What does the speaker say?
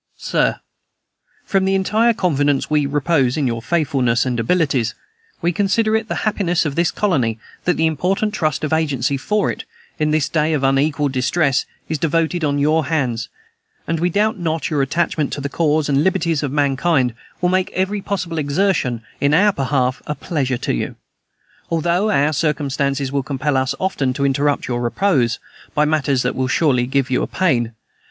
"SIR: From the entire confidence we repose in your faithfulness and abilities, we consider it the happiness of this colony that the important trust of agency for it, in this day of unequalled distress, is devolved on your hands, and we doubt not your attachment to the cause and liberties of mankind will make every possible exertion in our behalf a pleasure to you; although our circumstances will compel us often to interrupt your repose, by matters that will surely give you pain.